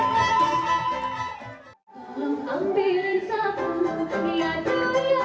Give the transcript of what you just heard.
jangan lupa like share dan subscribe ya